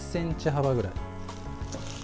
１ｃｍ幅くらい。